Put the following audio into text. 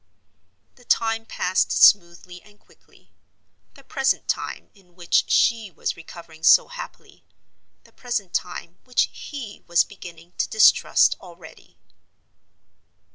The time passed smoothly and quickly—the present time, in which she was recovering so happily—the present time, which he was beginning to distrust already.